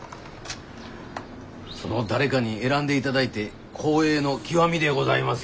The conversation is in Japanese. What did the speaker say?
その「誰か」に選んで頂いて光栄の極みでございます。